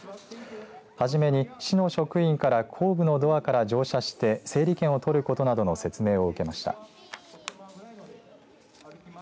初めに市の職員から後部のドアから乗車して整理券をとることなどの説明を受けました。